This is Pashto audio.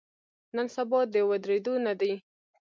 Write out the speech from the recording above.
نن سبا د ودریدو نه دی.